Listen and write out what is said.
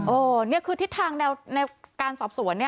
โอ้นี่คือทิศทางในการสอบสวน